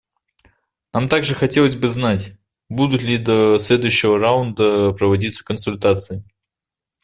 Нам также хотелось бы знать, будут ли до следующего раунда проводиться консультации.